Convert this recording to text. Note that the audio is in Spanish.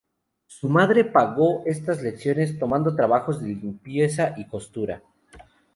Su madre pagó estas lecciones tomando trabajos de limpieza y costura.